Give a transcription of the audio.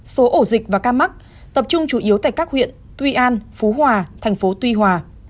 số ổ dịch và ca mắc tập trung chủ yếu tại các huyện tuy an phú hòa thành phố tuy hòa